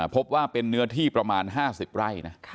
พบว่าเป็นเนื้อที่ประมาณ๕๐ไร่นะ